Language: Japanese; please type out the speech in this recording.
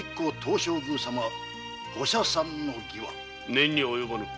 念には及ばぬ。